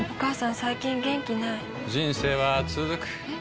最近元気ない人生はつづくえ？